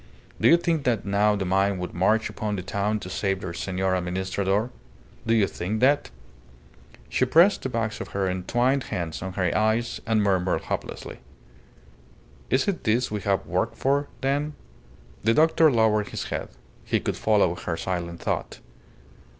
Do you think that now the mine would march upon the town to save their Senor Administrador? Do you think that?" She pressed the backs of her entwined hands on her eyes and murmured hopelessly "Is it this we have worked for, then?" The doctor lowered his head. He could follow her silent thought.